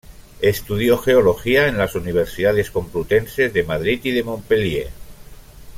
Estudió geología en las universidades Complutense de Madrid y de Montpellier.